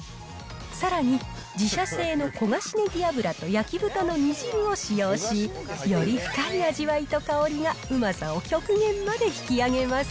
さらに自社製の焦がしネギ油と焼豚の煮汁を使用し、より深い味わいと香りがうまさを極限まで引き上げます。